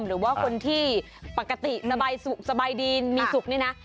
หรือว่าคนที่ปกติสบายดีมีสุขนี่นะ